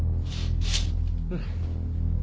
うん。